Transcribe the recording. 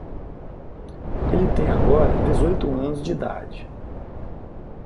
Ele tem agora dezoito anos de idade.